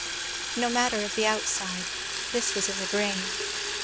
No matter of the outside; this was in the grain.